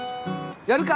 やるか？